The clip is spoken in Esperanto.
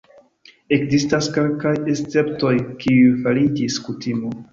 Ekzistas kelkaj esceptoj, kiuj fariĝis kutimo.